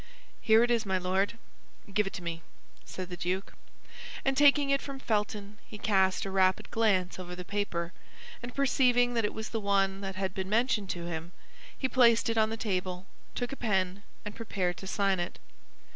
"Here it is, my Lord." "Give it to me," said the duke. And taking it from Felton, he cast a rapid glance over the paper, and perceiving that it was the one that had been mentioned to him, he placed it on the table, took a pen, and prepared to sign it.